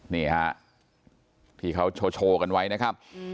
นี่ฮะที่เขาโชว์กันไว้นะครับ